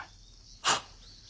はっ！